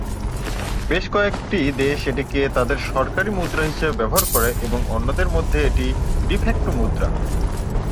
বেশ কয়েকটি দেশ এটিকে তাদের সরকারি মুদ্রা হিসাবে ব্যবহার করে এবং অন্যদের মধ্যে এটি "ডি-ফ্যাক্টো" মুদ্রা।